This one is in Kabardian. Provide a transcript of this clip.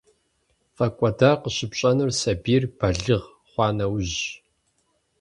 ПфӀэкӀуэдар къыщыпщӀэнур сабийр балигъ хъуа нэужьщ.